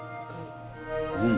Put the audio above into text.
うん。